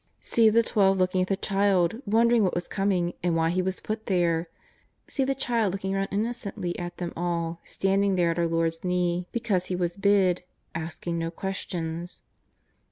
See the Twelve looking at the child, won dering what was coming and why he was put there. See the child looking round innocently at them all, standing there at our Lord's knee because he was bid, asking no questions.